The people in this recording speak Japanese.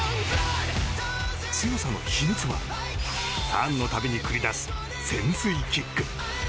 すごさの秘密はターンの度に繰り出す潜水キック。